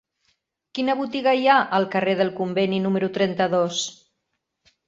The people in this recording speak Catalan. Quina botiga hi ha al carrer del Conveni número trenta-dos?